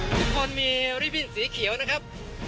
ทุกคนมีรีบบินสีเขียวนะครับ